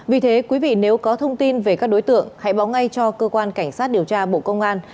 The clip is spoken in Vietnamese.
vì thế quý vị nếu có thông tin về các đối tượng hãy báo ngay cho cơ quan cảnh sát điều tra bộ công an